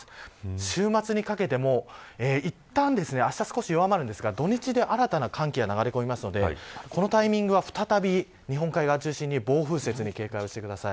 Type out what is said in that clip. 週末にかけてもいったん、あした少し弱まるんですが土日で新たな寒気が流れ込むのでこのタイミングは再び日本海側を中心に暴風雪に警戒してください。